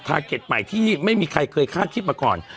เก็ตใหม่ที่ไม่มีใครเคยคาดคิดมาก่อน